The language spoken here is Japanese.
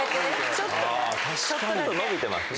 ちょっと伸びてますね。